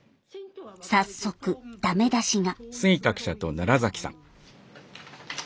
早速ダメ出しが。